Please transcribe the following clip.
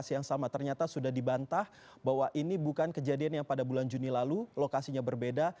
yang sama ternyata sudah dibantah bahwa ini bukan kejadian yang pada bulan juni lalu lokasinya berbeda